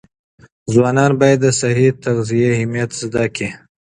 ځوانان باید د صحي تغذیې اهمیت زده کړي.